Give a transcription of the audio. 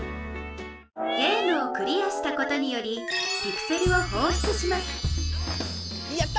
ゲームをクリアしたことによりピクセルをほうしゅつしますやった！